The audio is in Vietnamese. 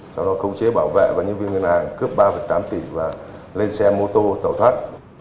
sau đó khống chế bảo vệ và nhân viên ngân hàng cướp ba tám tỷ và lên xe mô tô tẩu thoát